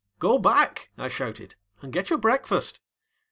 ŌĆ£Go back, ŌĆØ I shouted, ŌĆ£and get your breakfast.